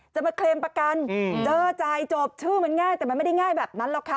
จะมาเคลมประกันเจอจ่ายจบชื่อมันง่ายแต่มันไม่ได้ง่ายแบบนั้นหรอกค่ะ